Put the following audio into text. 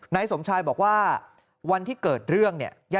นายสมชายบอกว่าวันที่เกิดเรื่องเนี่ย